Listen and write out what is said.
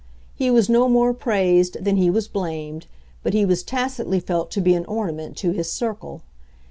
He was no more praised than he was blamed; but he was tacitly felt to be an ornament to his circle.